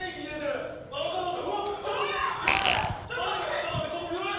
ちょっと待ってヤバい